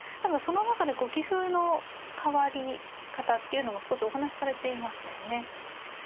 その中で棋風の変わり方っていうのも少しお話しされていましたよね。